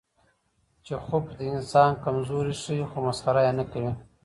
چیخوف د انسان کمزوري ښيي، خو مسخره یې نه کوي.